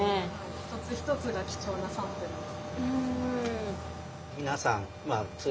一つ一つが貴重なサンプルですね。